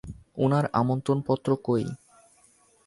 উনার আমন্ত্রণপত্র কোই?